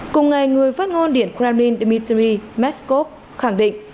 cùng ngày người phát ngôn điện kremlin dmitry meskov khẳng định